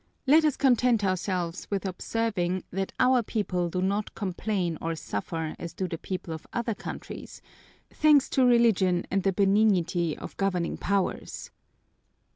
Let us content ourselves with observing that our people do not complain or suffer as do the people of other countries, thanks to Religion and the benignity of the governing powers.